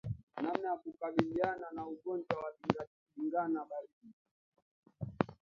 Namna ya kukabiliana na ugonjwa wa ndigana baridi